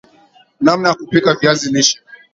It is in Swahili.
namna ya kupika viazi lishe